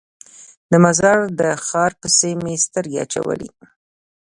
د مزار د ښار پسې مو سترګې اچولې.